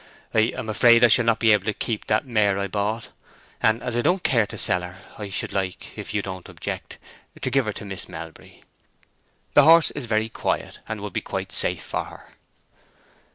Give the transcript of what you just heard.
"I am afraid I shall not be able to keep that mare I bought, and as I don't care to sell her, I should like—if you don't object—to give her to Miss Melbury. The horse is very quiet, and would be quite safe for her."